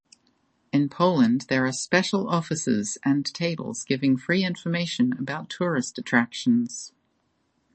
In Poland there are special offices and tables giving free information about tourist attractions.